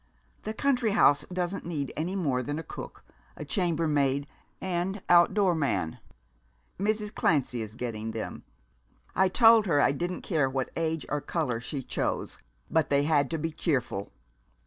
The country house doesn't need any more than a cook, a chambermaid, and outdoor man. Mrs. Clancy is getting them. I told her I didn't care what age or color she chose, but they had to be cheerful.